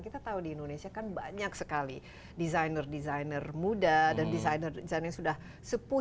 kita tahu di indonesia kan banyak sekali desainer desainer muda dan desainer desainer sudah sepuh